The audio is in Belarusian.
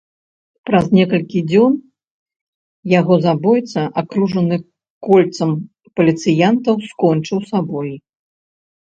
Праз некалькі дзён яго забойца, акружаны кольцам паліцыянтаў, скончыў сабой.